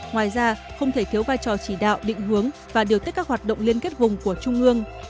ngoài ra không thể thiếu vai trò chỉ đạo định hướng và điều tích các hoạt động liên kết vùng của trung ương